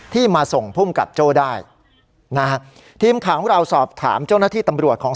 มาส่งภูมิกับโจ้ได้นะฮะทีมข่าวของเราสอบถามเจ้าหน้าที่ตำรวจของ